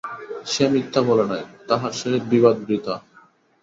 সে মিথ্যা বলে নাই, তাহার সহিত বিবাদ বৃথা।